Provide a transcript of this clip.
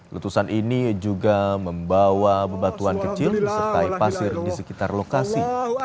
letusan ini juga membawa bebatuan kecil disertai pasir di sekitar lokasi